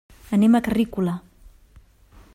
Anem a Carrícola.